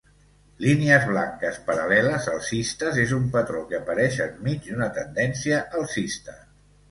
Línies blanques paral·leles alcistes és un patró que apareix enmig d'una tendència alcista.